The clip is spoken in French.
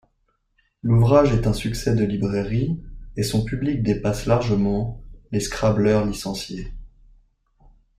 L'ouvrage est un succès de librairie et son public dépasse largement les scrabbleurs licenciés.